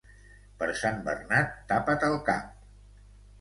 Per Sant Bernat, tapa't el cap.